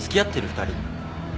２人。